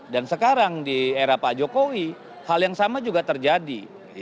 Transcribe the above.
dan sekarang di era pak jokowi hal yang sama juga terjadi